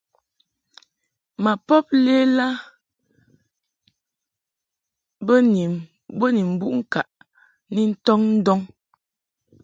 Ma pob lela bo ni mbuʼ ŋkaʼ ni ntɔŋ ndɔŋ.